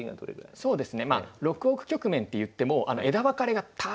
そうですね。